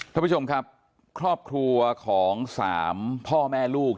ท่านผู้ชมครับครอบครัวของสามพ่อแม่ลูก